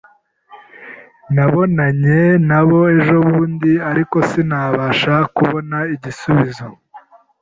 Nabonanye nabo ejobundi, ariko sinabasha kubona igisubizo.